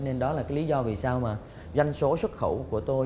nên đó là lý do doanh số xuất khẩu của tôi